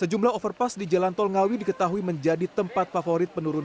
sejumlah overpass di jalan tol ngawi diketahui menjadi tempat favorit penurunan